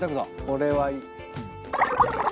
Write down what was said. これはいい。